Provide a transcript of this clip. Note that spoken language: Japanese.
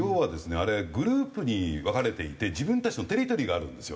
あれグループに分かれていて自分たちのテリトリーがあるんですよ。